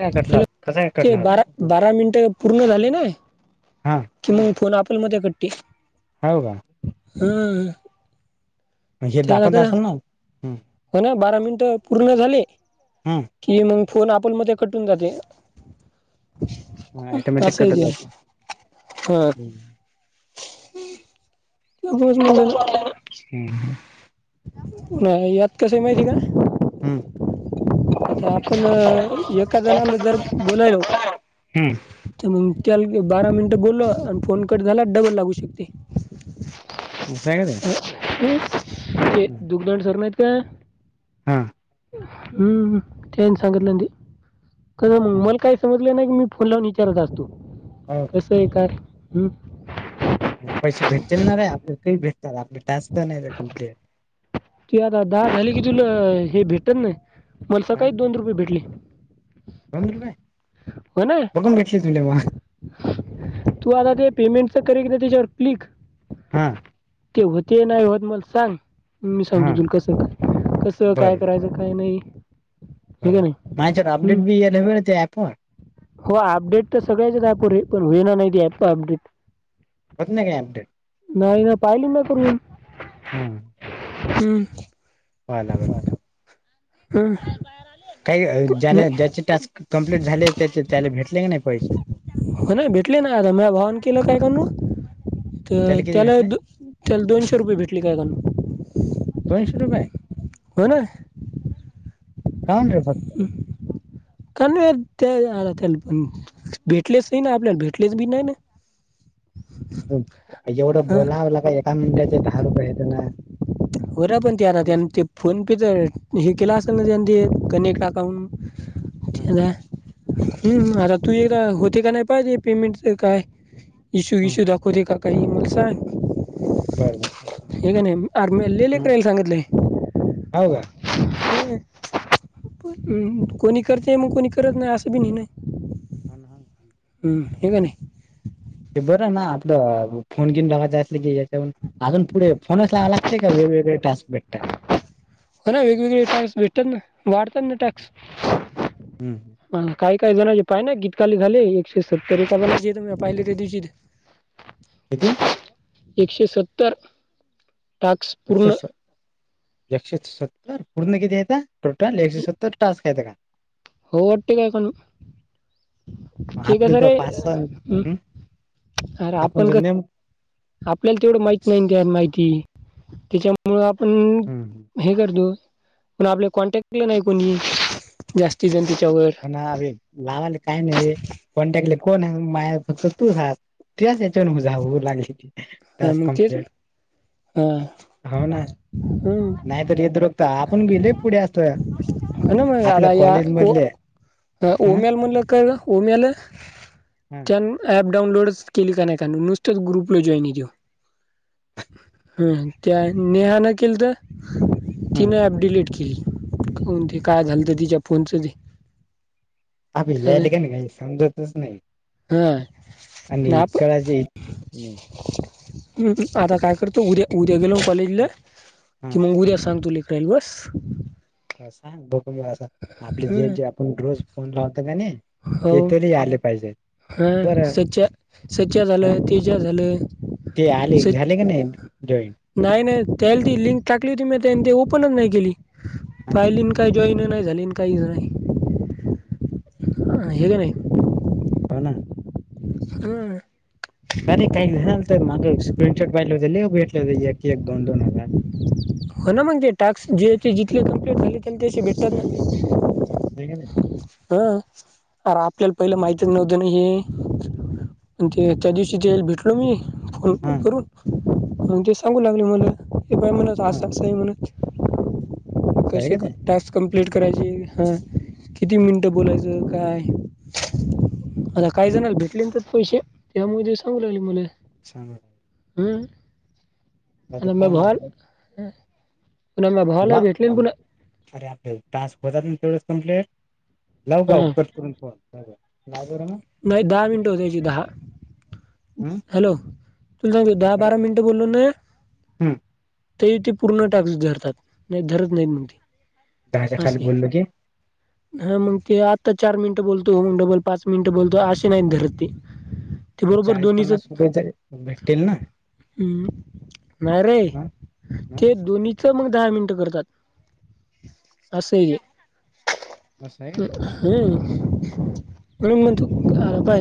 काय कटला हॅलो कसा काय ते कटला होता? बारा बारा मिनिट पूर्ण झाले ना [unintelligible] हा [unintelligible] कि मग फोन आपलमध्ये कट्ट [unintelligible] ह का [unintelligible] हम्म [unintelligible] मग हे त्या दाखवत असेल ना हम्म. हो ना बारा मिनट पूर्ण झाले हा [unintelligible] कि मग फोन आपोल मध्ये कटून जाते [unintelligible] ऑटोमॅटिक असशे घ कटत असेल. ह हम्म [unintelligible] पोज म्हणले ना [unintelligible] हम्म ह [unintelligible] नाही यात कसं आहे माहिती का [unintelligible] हम्म [unintelligible] आता आपण एका जणाला जर बोलायलो हम्म [unintelligible] तर मग त्या बारा मिनिटं बोलल आणि फोन कट झाला डबल लागू शकते म सग आहे [unintelligible] ते दुग्धड सर नाहीत काय [unintelligible] हां [unintelligible] हम्म तेन सांगितलंी क म मला हो काय [unintelligible] समजलं ना की मी फुून विचारत असतो कसं आहे का हम् [unintelligible] ग पैसे भेटतील नाणार आपले काही भेटत आपले टास्क तर नाही कंप्लीट. [unintelligible] तू आता दहा झाली की तुला हे भेटत नाही मला स काय काळीत दोन रुपये भेटले. [unintelligible] दोन रुपये हो ना बघून घेतले तू आता ते पेमेंटच कर एकदा त्याच्यावर क्लिक. हा! ते होते नाही होत मला सांग मी सांगतो हा तुला कस कसं काय करायचं. काही नाही. हे का नाही मायच्यात हं. अपडेट बी याला त्या ऍप वर. हो अपडेट तर सगळ्याच आहे पुरे पण हुंइना नाय ती ॲप अपडेट. होत नाय का आपडेट? नाही ना पाहिली ना करून. हम्म! हम्म! पायाला लागल. हम्म! काही ज्याला ज्याचे टास्क कंप्लीट झाले त्याचे त्याला भेटले का नाही पैसे? हो ना भेटले ना आता माया भावान केलं काय त किती त्याला भेटले दो त्याला दोनशे रुपये भेटले काय गणू दोनशे रुपये? होय नाय. काऊन र बघताय? काम नाय त्याला पण. भेटलेच नाही ना आपल्याला भेटलेच भी नाही ना. एवढं हां बोलावला का एका मिनिटाचे दहा रुपये हायत ना? होर पण ते आता वीस. ते फोन पेच हे केल असेल ना ते कनेक्ट अकाउं. हं हम्म आता तू हित होते का नाही पाय ते पेमेंट च काय? इशू इशू दाखवतय का काही मग सांग. बर बर सांगतो ना. मले लय ट्रेन सांगितलंय. हो का हम्म कोणी करतय मग कोणी करत नाही असं पिन नाय ना. अन हाण हम्म, हे का नाही ते बरं ना आपलं फोन घिन लावायचं असल की याच्यावन अजून पुढे फोनच लावंय लागतय का वेगवेगळे टास्क भेटतात? हो ना वेगवेगळे टास्क भेटतात ना वाढतात ना टास्क. हम्म मगं काय काय जानाला पाय ना कीती काल झाले एकशे सत्तर पाहिले त्या दिवशी. किती? एकशे सत्तर! टास्क एकशे पूर्ण सत्त एकशे सत्तर पूर्ण किती येत टोटल एकशे सत्तर टास्क? हायत का? हो ते पण ते आपले कसं तर रे पाच सहा अर आपण कस आपल्याला तेवढं माहित नाही त्या माहिती त्याच्यामुळं आपण नेम हे करतो पण आपले कॉन्टॅक्ट हि नाय कोणी जास्ती जण त्याच्यावर. अ लावायला काय नाय रे कॉन्टॅक्ट ला कोण आहे फक्त तूच हायस. तुज्याच ह्याच्यावन झा होऊ लागलं की हा, टास्क मग तेच कम्प्लीट. हा! हं. नाही तर येत रुकता आपण बी लय पुढे असतो. हा ना मग आपल्या आता या कॉलेज मधले ह उम्याल म्हणलं केलं उम्यान म्हणलं ह कळलं उम्याल ॲप डऊनलोड केली का नाय त्यानं नुसतच ग्रुपला जॉइन त्यो. हम्म त्या नेहा न केलत हम्म तिन ऍप डिलीट के ली काय झालंत तिच्या फोनच ते अबे या ठिकाणी काही समजतच नाही. हा आणि कळायचे आपण इच्छुक नाही ह आता काय करतो उद्या, उद्या गेलो कॉलेजला हा कि मग उद्या सांगतो तुले. रेल्वस. सांग ब अस आपले जे हं जे आपण रोज फोन लावत कनी हो हा बरं सच्या ह झालं, तेज्या झालं. ते आले, स झाले का नाहीतं जॉईंन नाही, नाही त्याला ती लिंक टाकली होती मी त्या ते ओपनच नाही केली, पाहिल काय. जॉईन नाही झाली, काहीच नाही. हे का नाही हो ना ह अरे काही झाल तर माग स्क्रीनशॉट पाहिलं हो ल भेटले एक, एक दोन, दोन हजार. हो, ना मग ते टास्क जे जिथले कम्प्लीट झाले ते त्याचे भेटतातना. दिसतंय का नाही. हं अरे आपल्याला पहिलं माहितीच नव्हत ना हे मं ते त्या दिवशी ते भेटलो मी. हा फोन करून ते सांगू लागल मला हे पाय म्हणत हा असंं आस आहे म्हणत असं आहे कसे का कं ते टास्क कम्प्लीट करायचे हा किती मिनिटं बोलायचं काय आता काय जाणाला भेटले ना त्यात पैसे त्यामुळे सांगू लागले मले चांगल हम्म ते आता माया पाहू ना भावाले आपण पुन्हा माझ्या भावाला वा- भेटले ना पुन्हा अरे आपले टास्क होतात ना तेवढच संपले लाऊ हां आउटफूट करून फोन लाव बर मग नाही दहा मिनट होतेची दहा, हं हॅलो तुला सांगतो दहा अरे बारा मिनट बोललो ना हं तरी ते पूर्ण टास्क धरतात नाहीतर धरत नाही मग ते दहाच्या खाली बोललो की हा मग ते आत्ता चार मिनिटं बोलतो हो मग डबल मिनिट बोलतो आशें नाहीत धरत ते ते बरोबर चाळीस धोनीचं पन्नास रुपये तं भेटतील ना हम, नाही रे हा हा ते दोनी च मग दहा मिनट करतात असं आहे असं आहे का ते ह हम म्हणून मग तू बा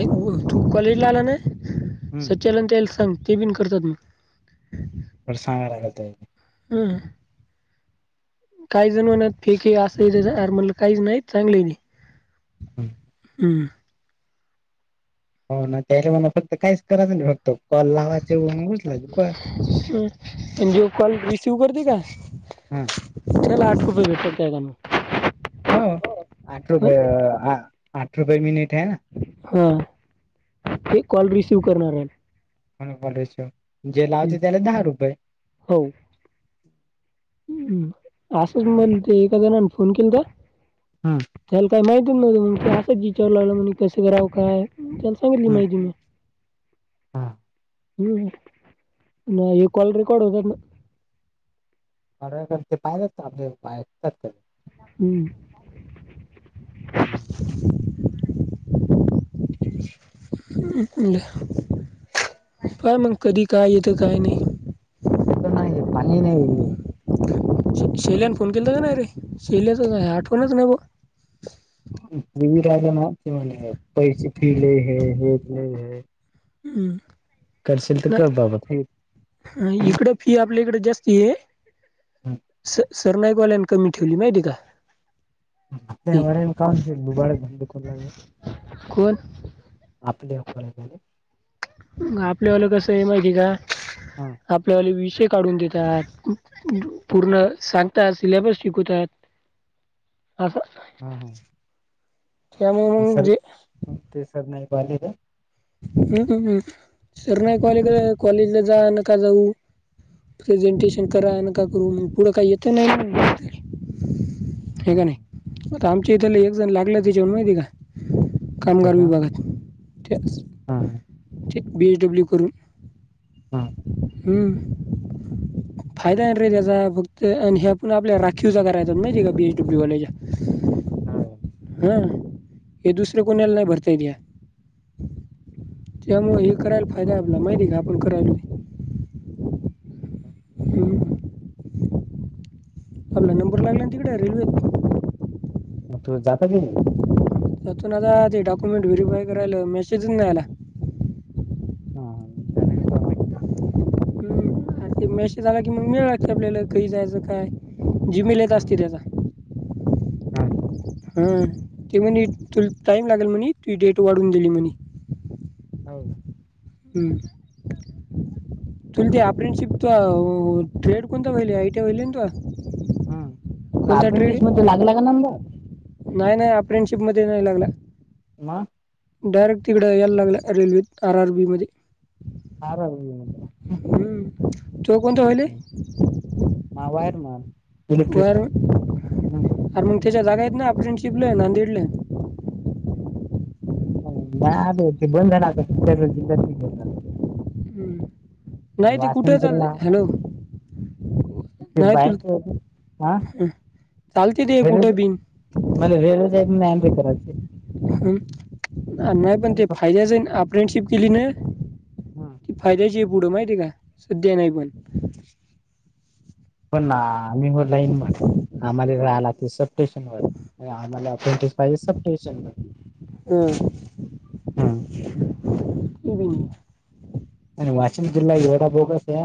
तू कॉलेज ला ते आला नाही. हं ते आणी ते संत्या ते बी करतात म बर सांगावं लागलं त्यांना हम् काही जण म्हणत फेक अस म्हटल काहीच नाही चांगले आहे ते हम् हं पावना तयारं होईना फक्त काहीच कराचं नाही फक्त कॉल लावायचे आणि उचलायचे फक्त बस. ह् एन जीओ कॉल रिसीव्ह करते का? हम्म रिसिव्हला आठ रुपये भेटत्यात का काय गणू हो आठ रुपये आठ रुपये मी नीट हाय हा एक कॉल रिसिव्ह करणाऱ्याला हो ना कॉल रिसिव्ह जे लावते त्याला दहा रुपये होय ह असंच मण ते एका जणने फोन केला तर. हम्म त्याला काय माहितीच नव्हतं मग असंच विचारू लागला म्हणून कसं करावं काय मग त्या सांगितली हम्म. माहिती मग हा हम्म नाय हे कॉल रेकॉर्ड होतात ना? ऑर्डर करते पाहिलेत का आपले पाय करतात. हम्म. हम्म. [inaudible] काय मग कधी काय येतं काय नाही. तेे तर नाही येत पाणी ही नाहीये. श शैल्याने फोन केलता का नाही रे, शेल्याचाच हाय हा आठवणचं नाही बुआ. [unintelligible] ना पैसे फी लय हे हे लय हे हम्म. करशील तर कर बाबा हम्म. अह इकडं फी आपल्याकडे जास्ती आहे. स सरनाईकवाल्याने कमी ठेवली माहिती का? फी त्यामुळे खाऊन पिऊन [unintelligible] लागे. कोण? आपले आपल्याला झाले. मग आपल्यावालं कसंय माहिती का? हा. आपल्यावाले विषय काढून देतात पूर्ण सांगतात, सिलॅबस शिकवत्यात असं हा हां. त्यामुळ म्हणजे हम्म ते सरनाईक वाले का? हम्म हम्म हम्म सरनाईक वाल्याकडे कॉलेजला जा नका जाऊ. प्रेझेंटेशन करा नका करू, मग पुढं काही येत नाही म्हणून हे का नाही आता आमच्या इथलं एक जण लागले तिच्यामध्ये माहिते का? कामगार कसा हा कसं? विभागात ते असं हा. ठीक बी एस डब्लू करू हा. हम्म. फायदा आहेना रे त्याचा फक्त आणि ह्यातन आपल्या राखीव जागां राहतात माहितीय का बी एस डब्ल्यू वाल्याचा हा. हा हे दुसरे कोणाला नाही भरता येत ह्या त्यामुळं हे करायला फायदा आहे आपला माहितीय का? आपण करायला हम्म. आपला नंबर लागला ना तिकडे रेल्वेेत मग तो जाता की नाही? जातोना आता ते डॉक्युमेंट व्हेरीफाय करायला मेसेजच नाही आला. हां हां करायचं बाकी हम्म, आणि ते मॅशेज आला की मग मेळ लागतो की आपल्याला कधी जायचं काय? जीमेल येत असती हम्म. त्याचा हां ते म्हणे तुला टाईम लागेल म्हणे, तुजी डेट वाढवून दिली म्हणे. हवं. हम्म. तुला ते अप्रेंटशिप तू अह ट्रेड कोणता व्हायला आय टी व्हायला ना तुला? हम अप्रेंडिस मध्ये लागला का नंबर नाही नाही अप्रेंडशिप मध्ये नाही लागला. म. डायरेक्ट तिकडं याला लागला रेल्वेेत आर आर बी मध्ये आर आर बी मध्ये हम्म. हम्म तूव कोणतं होइलये? मा वायरमन वायर इलेक्ट्रिशियन हम्म आरं मग त्याच्या जागा आहेत ना अप्रेंटशिपला आहे नांदेडलाय नाही आता ते बंद झाले आता जिल्ह्याच्या जिल्ह्यात नाही घेतात. हम्म. नाही ते कुठे चालते वासनपुरला हॅलो ते नाही बाहे तुला ओ आ. चालते ते कुठे बिन [unintelligible] नाही पण ते फायद्याच आहे अप्रेंडशिप केली ना. [unintelligible] फायद्याची पुढं माहितीय का सध्या नाही पण [unintelligible] स्टेशन वर आम्हाला अप्रेंडिस पाहिजे सब स्टेशन वर हम्म. [unintelligible] [unintelligible] आणि वाशिम जिल्हा एवढा बोगस ये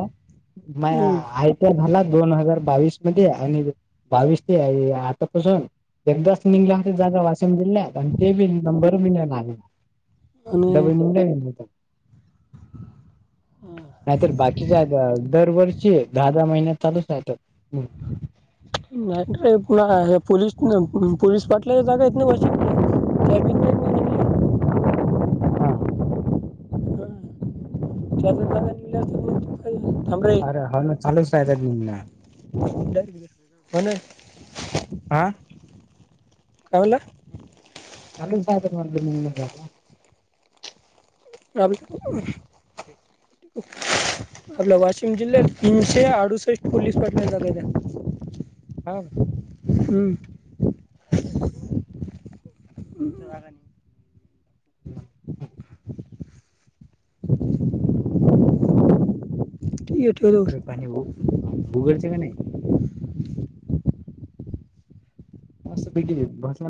माय हं. चारज झाला दोन हजार बावीस मध्ये आणि बावीस ते आतापासून एकदाच निघले होते जागा वाशिम जिल्ह्यात आणि ते बि नंबर बी नाय लागत आणि नवी मुंबई हा. नाहीतर बाकीच्या दर दरवर्षी दहा दहा महिन्यात चालूच राहतात. [inaudible] नाहीत आहेत ना पोलिस पोलीस पाटला जागा आहेत ना वरच्या हा. हं. [unintelligible] थांब रे [unintelligible] म्हणे. आ. काय बोला. [unintelligible] [unintelligible] आपल्या वाशिम जिल्ह्यात तीनशे अडुसष्ट पोलीस पाटलाच्या जागा आहेत. [unintelligible] हमं. [inaudible] [inaudible] [inaudible] [unintelligible] पाणी हो उघडचे काय नाय. [unintelligible]